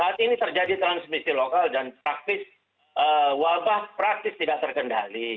saat ini terjadi transmisi lokal dan praktis wabah praktis tidak terkendali